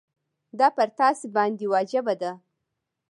دا پر تاسي باندي واجبه ده.